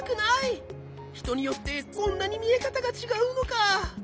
ひとによってこんなにみえかたがちがうのか！